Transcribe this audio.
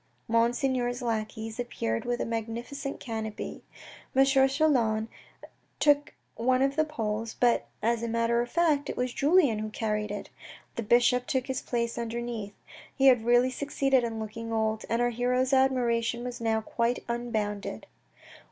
Monseigneur's lackeys appeared with a magnificent canopy. M. Chelan took one of the poles, but as a matter of fact it was Julien who carried it. The bishop took his place under neath. He had really succeeded in looking old; and our hero's admiration was now quite unbounded.